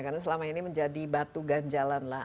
karena selama ini menjadi batu ganjalan lah